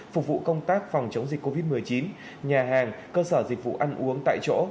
phục vụ công tác phòng chống dịch covid một mươi chín nhà hàng cơ sở dịch vụ ăn uống tại chỗ